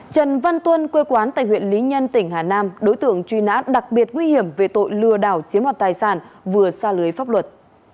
trần văn tuân quê quán tại huyện lý nhân tỉnh hà nam đối tượng truy nã đặc biệt nguy hiểm về tội lừa đảo chiếm hoạt tài sản vừa xa lưới pháp luật